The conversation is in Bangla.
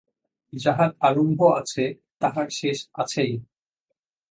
যাহার আরম্ভ আছে, তাহার শেষ আছেই।